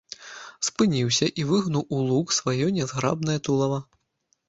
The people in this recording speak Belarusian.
Спыніўся і выгнуў у лук сваё нязграбнае тулава.